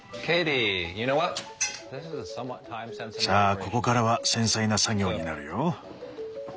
さあここからは繊細な作業になるよ。